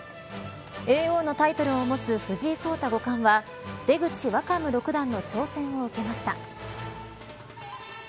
叡王のタイトルを持つ藤井聡太五冠は出口若武六段の挑戦を受けました。